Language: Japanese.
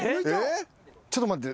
ちょっと待って。